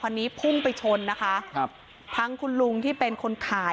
นี้พุ่งไปชนนะคะครับทั้งคุณลุงที่เป็นคนขาย